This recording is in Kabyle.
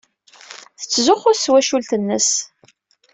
Tettzuxxu s twacult-nnes.